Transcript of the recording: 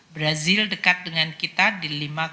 brazil dekat dengan kita di lima tujuh